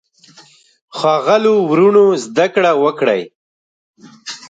ښاغلو وروڼو زده کړه وکړئ.